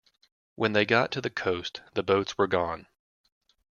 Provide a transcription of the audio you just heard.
When they got to the coast, the boats were gone.